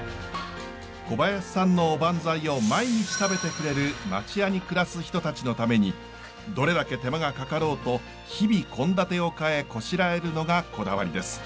小林さんのおばんざいを毎日食べてくれる町家に暮らす人たちのためにどれだけ手間がかかろうと日々献立を変えこしらえるのがこだわりです。